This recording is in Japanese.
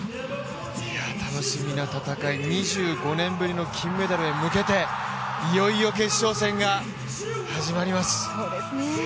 楽しみな戦い、２５年ぶりの金メダルへ向けていよいよ決勝戦が始まります。